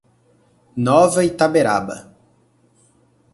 Nova Itaberaba